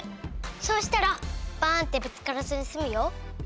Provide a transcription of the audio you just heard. そうしたらバーンッてぶつからずにすむよ。